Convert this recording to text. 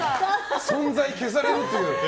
存在を消されるという。